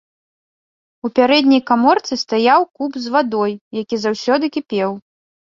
У пярэдняй каморцы стаяў куб з вадой, які заўсёды кіпеў.